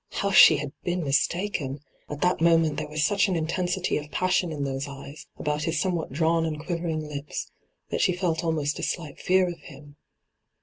How she had been mistaken 1 At that moment there was such an intensity of passion in those eyes, about his somewhat drawn and quivering lips, that she felt almost a slight fear of him.